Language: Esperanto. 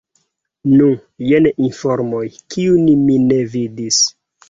Nu, jen informoj, kiujn mi ne vidis.